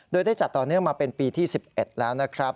โดยได้จัดต่อเนื่องมาเป็นปีที่๑๑แล้วนะครับ